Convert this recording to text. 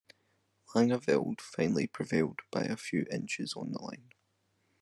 Langeveld finally prevailed by a few inches on the line.